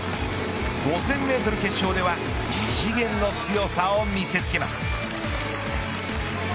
５０００メートル決勝では異次元の強さを見せつけます。